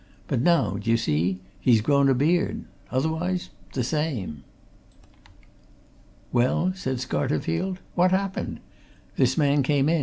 But now, d'ye see, he's grown a beard. Otherwise the same!" "Well?" said Scarterfield, "What happened? This man came in.